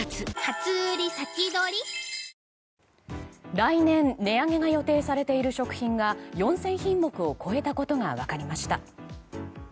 来年値上げが予定されている食品が４０００品目を超えたことが分かりました。